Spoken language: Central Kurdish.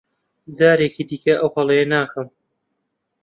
جارێکی دیکە ئەو هەڵەیە ناکەم.